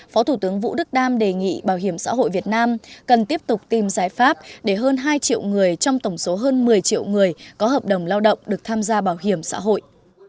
phó thủ tướng vũ đức đam đề nghị bảo hiểm xã hội việt nam cần tiếp tục tìm giải pháp để hơn hai triệu người trong tổng số hơn một mươi triệu người có hợp đồng lao động được tham gia bảo hiểm xã hội